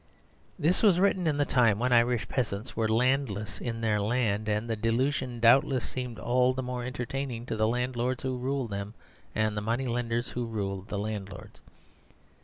This was written in the time when Irish peasants were landless in their land; and the delusion doubtless seemed all the more entertaining to the landlords who ruled them and the money lenders who ruled the landlords.